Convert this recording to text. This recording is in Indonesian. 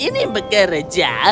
jika kau ingin menemukan cinta sejati